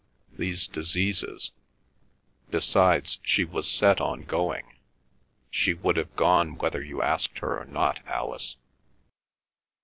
These diseases—Besides, she was set on going. She would have gone whether you asked her or not, Alice."